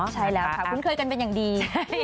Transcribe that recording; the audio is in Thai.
ใช่แล้วค่ะคุ้นเคยกันเป็นอย่างดี